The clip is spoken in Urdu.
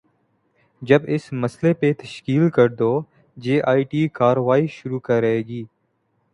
جب اس مسئلے پہ تشکیل کردہ جے آئی ٹی کارروائی شروع کرے گی۔